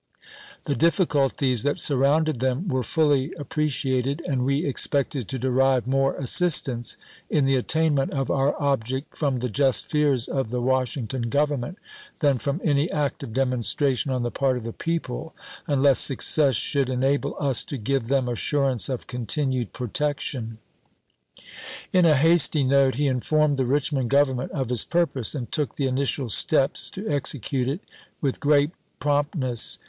The difficulties that surrounded them were fully appre ciated, and we expected to derive more assistance in the attainment of our object from the just fears of the Wash ington Government than from any active demonstration ^^ on the part of the people, unless success should enable us ^p^ 3V^' to give them assurance of continued protection. p. 144. " In a hasty note he informed the Eichmond Gov ernment of his purpose, and took the initial steps to execute it with great promptness.